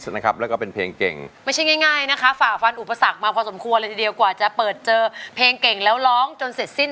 หากพามาได้แต่อย่าให้สวยเกิน